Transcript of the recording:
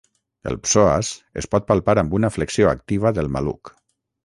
El psoas es pot palpar amb una flexió activa del maluc.